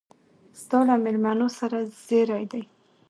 ستا له مېلمنو سره زېري دي.